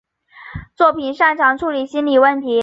作品擅长处理心理问题。